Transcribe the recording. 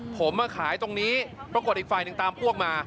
ผมมาขายตรงนี้ปรากฏอีกฝ่ายหนึ่งตามพวกมา